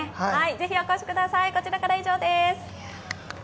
ぜひ、お越しください。